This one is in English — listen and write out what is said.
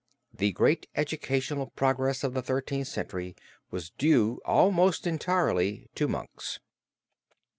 The great educational progress of the Thirteenth Century was due almost entirely to monks.